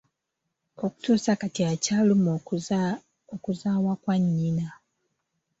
Okutuusa kati akyalumwa okuzaawa kwa nnyina.